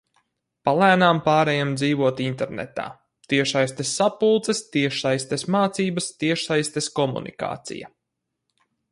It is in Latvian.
Palēnām pārejam dzīvot internetā... tiešsaistes sapulces, tiešsaistes mācības, tiešsaistes komunikācija...